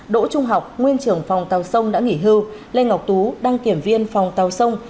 đỗ trung học nguyên trưởng phòng tàu sông đã nghỉ hưu lê ngọc tú đăng kiểm viên phòng tàu sông